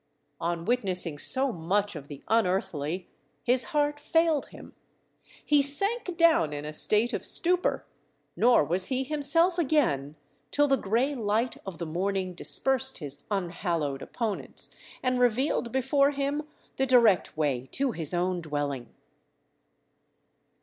On witnessing so much of the unearthly, his heart failed him. He sank down in a state of stupor, nor was he himself again till the gray light of the morning dispersed his unhallowed opponents, and revealed before him the direct way to his own dwelling.